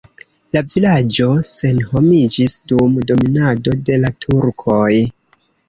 La vilaĝo senhomiĝis dum dominado de la turkoj.